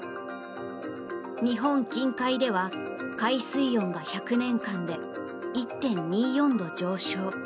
日本近海では海水温が１００年間で１．２４度上昇。